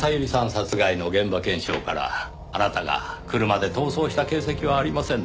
殺害の現場検証からあなたが車で逃走した形跡はありませんでした。